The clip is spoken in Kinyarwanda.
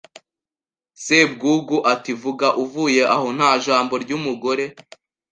Sebwugugu ati Vuga uvuye aho nta jambo ry' umugore